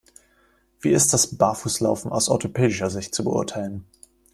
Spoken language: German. Wie ist das Barfußlaufen aus orthopädischer Sicht zu beurteilen?